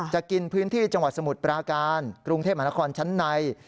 จะกินพื้นที่จังหวัดสมุทรปราการกรุงเทพมหานครชั้นใน